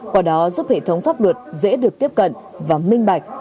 qua đó giúp hệ thống pháp luật dễ được tiếp cận và minh bạch